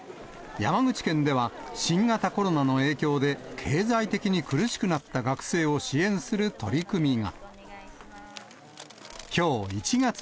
山口県では、新型コロナの影響で、経済的に苦しくなった学生を支援する取り組みが。